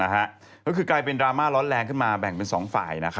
ก็คือกลายเป็นดราม่าร้อนแรงขึ้นมาแบ่งเป็น๒ฝ่าย